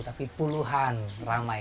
tapi puluhan ramai